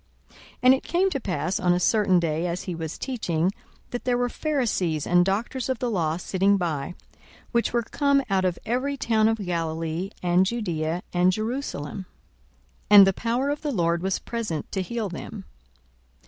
42:005:017 And it came to pass on a certain day, as he was teaching, that there were Pharisees and doctors of the law sitting by, which were come out of every town of Galilee, and Judaea, and Jerusalem: and the power of the Lord was present to heal them.